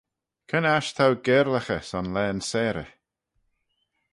Cre'n aght t'ou gaarlaghey son laghyn-seyrey?